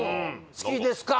「好きですか」